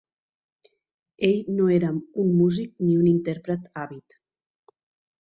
Ell no era un músic ni un intèrpret àvid.